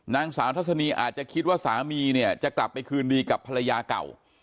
นางสาวทัศนีอาจจะคิดว่าสามีเนี่ยจะกลับไปคืนดีกับภรรยาเก่า